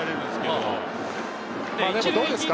どうですか？